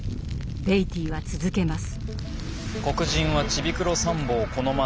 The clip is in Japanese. ベイティーは続けます。